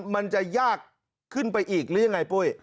มันจะยากขึ้นไปอีกหรือยังไงปุ้ย